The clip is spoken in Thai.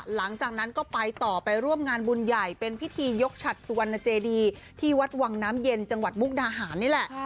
หลังจากนั้นก็ไปต่อไปร่วมงานบุญใหญ่เป็นพิธียกฉัดสุวรรณเจดีที่วัดวังน้ำเย็นจังหวัดมุกดาหารนี่แหละ